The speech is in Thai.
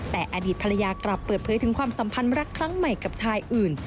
แต่อดีตภรรยากลับเปิดเผยถึงความสัมพันธ์รักครั้งใหม่กับชายอื่น